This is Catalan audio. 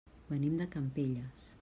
Venim de Campelles.